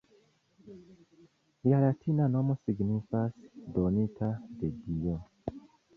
Lia latina nomo signifas “donita de dio“.